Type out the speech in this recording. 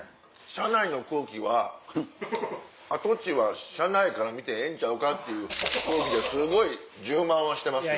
車内の空気は跡地は車内から見てええんちゃうかっていう空気ですごい充満はしてますよ。